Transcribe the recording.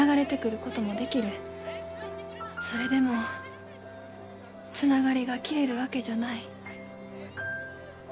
それでもつながりが消えるわけじゃない。